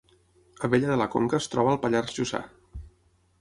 Abella de la Conca es troba al Pallars Jussà